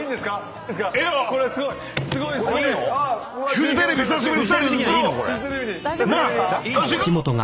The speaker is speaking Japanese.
フジテレビに久しぶりに。